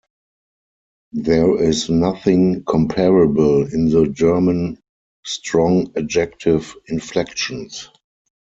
There is nothing comparable in the German strong adjective inflections.